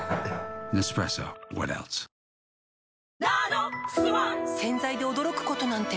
ニトリ洗剤で驚くことなんて